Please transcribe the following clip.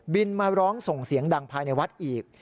มาร้องส่งเสียงดังภายในวัดอีก